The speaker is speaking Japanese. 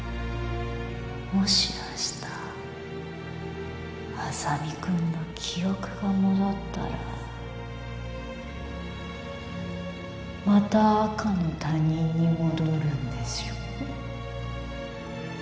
もし明日莇君の記憶が戻ったらまた赤の他人に戻るんでしょ？